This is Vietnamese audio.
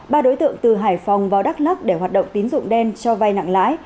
ba đối tượng từ hải phòng vào đắk lắc để hoạt động tín dụng đen cho vai nặng lãi